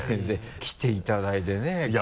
来ていただいてね